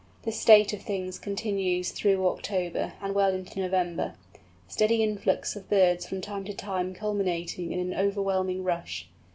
This state of things continues through October, and well into November, the steady influx of birds from time to time culminating in an overwhelming rush.